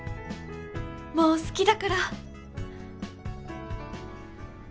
もう好きだから！